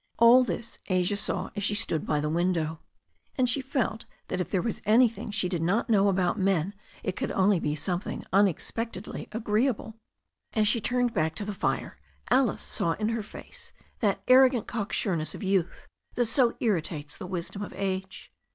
' An this Asia saw again as she stood by Ifie window, and 226 THE STORY OF A NEW ZEALAND RIVER she felt that if there was anything she did not know about men it could only be something unexpectedly agreeable. As she turned back to the fire Alice saw in her face that arrogant cocksureness of youth that so irritates the wisdom of age.